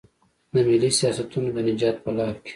د ملي سیاستونو د نجات په لار کې.